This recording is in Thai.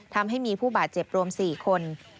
ทำให้มีผู้บาดเจ็บรวม๔คน